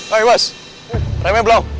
hei bas remnya belum